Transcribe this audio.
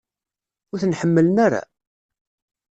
Ur ten-ḥemmlen ara?